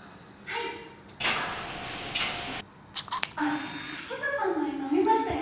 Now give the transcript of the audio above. あっしずさんの映画見ましたよ